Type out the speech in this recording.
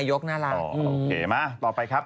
โอเคนะต่อไปครับ